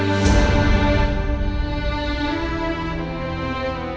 sulit memalukan zil kok